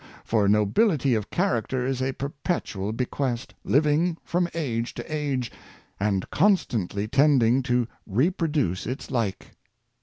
For nobility of character is a perpetual bequest, living from age to age, and constantly tending to reproduce its like.